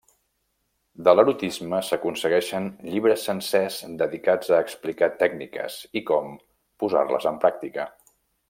De l'erotisme s'aconsegueixen llibres sencers dedicats a explicar tècniques i com posar-les en pràctica.